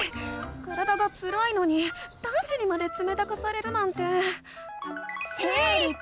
体がつらいのに男子にまでつめたくされるなんて。